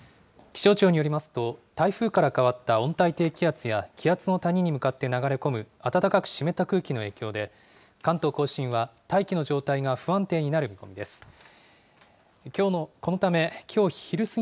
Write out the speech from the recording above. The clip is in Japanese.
気象庁によりますと、台風から変わった温帯低気圧や気圧の谷に向かって流れ込む、暖かく湿った空気の影響で、関東甲信は大気の状態が不安定になる見込みです。